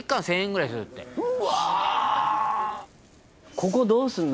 ここどうするの？